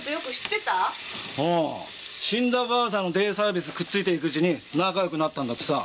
死んだばあさんのデイサービスにくっついて行くうちに仲良くなったんだってさ。